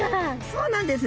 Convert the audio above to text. そうなんです！